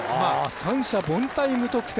三者凡退、無得点。